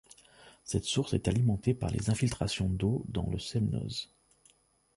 Cette source est alimentée par les infiltrations d'eau dans le Semnoz.